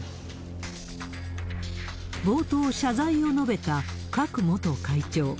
冒頭、謝罪を述べたクァク元会長。